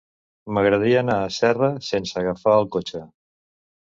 M'agradaria anar a Serra sense agafar el cotxe.